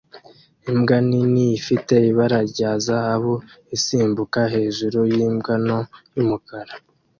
Imbwa nini ifite ibara rya zahabu isimbuka hejuru yimbwa nto y'umukara